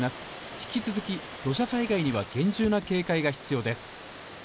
引き続き、土砂災害には厳重な警戒が必要です。